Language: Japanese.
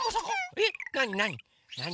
えっなになに？